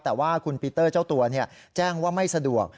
แต่ว่าคุณปีเตอร์เจ้าตัวแจ้งว่าไม่สะดวก